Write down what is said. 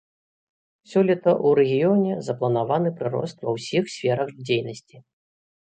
Сёлета ў рэгіёне запланаваны прырост ва ўсіх сферах дзейнасці.